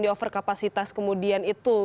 di overcapacitas kemudian itu